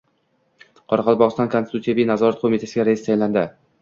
Qoraqalpog‘iston konstitutsiyaviy nazorat qo‘mitasiga rais saylandi